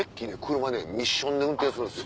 車ねミッションで運転するんですよ。